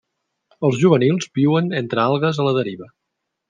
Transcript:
Els juvenils viuen entre algues a la deriva.